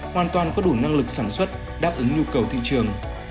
hoàn toàn có đủ năng lực sản xuất đáp ứng nhu cầu thị trường